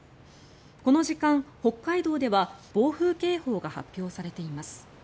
この時間、北海道では暴風警報が発表されています。